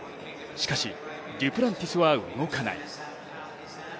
しかし、デュプランティスは動かない。